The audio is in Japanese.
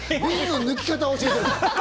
栓の抜き方を教えてんの。